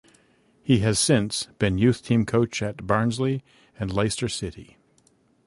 He has since been youth team coach at Barnsley and Leicester City.